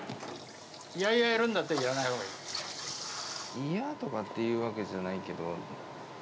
いやいややるんだったら、嫌とかっていうわけじゃないけど。